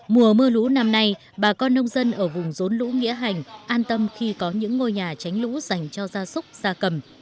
mùa mưa lũ năm nay bà con nông dân ở vùng rốn lũ nghĩa hành an tâm khi có những ngôi nhà tránh lũ dành cho gia súc gia cầm